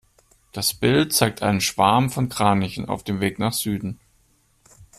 Das Bild zeigt einen Schwarm von Kranichen auf dem Weg nach Süden.